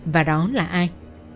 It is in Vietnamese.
và đó là ai